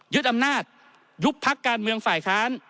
อำนาจยุบพักการเมืองฝ่ายค้าน